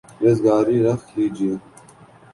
ریزگاری رکھ لیجئے